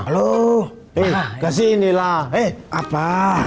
loh eh kesini lah eh apa